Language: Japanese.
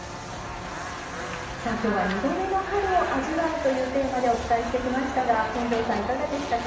さあきょうは「２度目の春を味わう」というテーマでお伝えしてきましたが本上さんいかがでしたか？